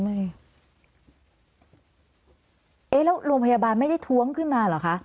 แล้วโรงพยาบาลไม่ได้ท้วงขึ้นมาเหรอคะ